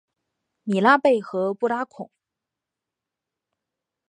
米拉贝和布拉孔。